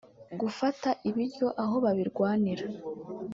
gufata ibiryo aho babirwanira